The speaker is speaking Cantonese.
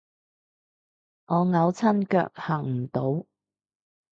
我扭親腳行唔到